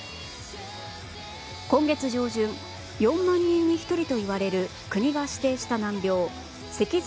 今月上旬４万人に１人と言われる国が指定した難病脊髄